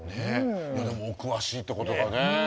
でもお詳しいってことがね。